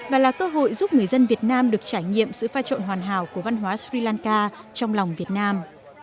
và là cơ hội giúp người dân việt nam được trải nghiệm sự pha trộn hoàn hảo của văn hóa sri lanka trong lòng việt nam